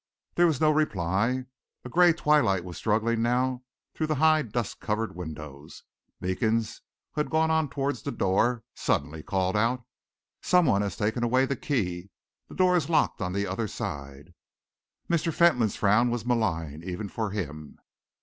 There was no reply. A grey twilight was struggling now through the high, dust covered windows. Meekins, who had gone on towards the door, suddenly called out: "Some one has taken away the key! The door is locked on the other side!" Mr. Fentolin's frown was malign even for him.